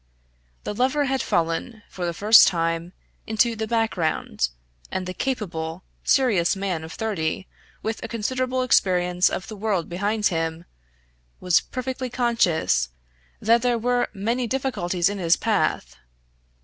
The lover had fallen, for the time, into the background, and the capable, serious man of thirty, with a considerable experience of the world behind him, was perfectly conscious that there were many difficulties in his path.